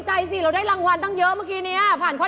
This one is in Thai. พูดหัวล้อขันหมดพี่ยอมให้ทำไม